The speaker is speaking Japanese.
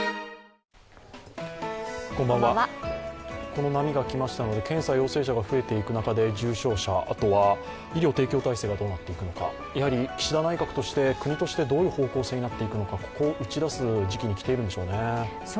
この波が来ましたので、検査陽性者が増えていく中で重症者、あとは医療提供体制がどうなっていくのか、やはり岸田内閣として国としてどういう方向性になっていくのか、ここを打ち出す時期にきているんでしょうね。